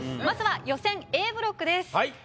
まずは予選Ａブロックです。